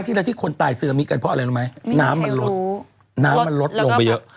ที่แรกที่คนตายสนามิกการเพราะอะไรน้ำมันลดลงไปเยอะ